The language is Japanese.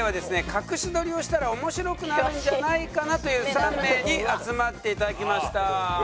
隠し撮りをしたら面白くなるんじゃないかなという３名に集まって頂きました。